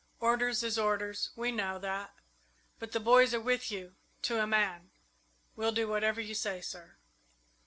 Orders is orders we know that but the boys are with you, to a man. We'll do whatever you say, sir."